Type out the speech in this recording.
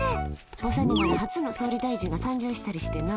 ぼさにまる初の総理大臣が誕生したりしてな。